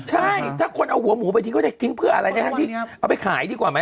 ใช่ถ้าคนเอาหัวหมูไปทิ้งเขาจะทิ้งเพื่ออะไรนะครับพี่เอาไปขายดีกว่าไหม